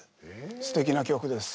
すてきな曲です。